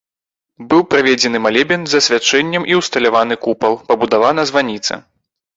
Быў праведзены малебен з асвячэннем і ўсталяваны купал, пабудавана званіца.